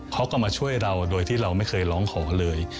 เขาก็มาช่วยเราโดยที่เราไม่เคยร้องขอเลย